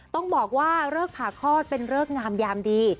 ต้องบอกว่าเลิกผ่าคลอดเป็นเริกงามยามดี